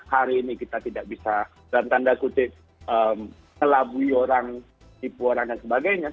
hari ini kita tidak bisa dalam tanda kutip melabui orang tipu orang dan sebagainya